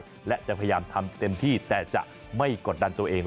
และจะพยายามทำเต็มที่แต่จะไม่กดดันตัวเอง